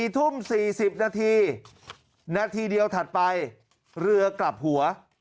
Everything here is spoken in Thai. ๔ทุ่ม๔๐นาทีนาทีเดียวถัดไปเรือกลับหัว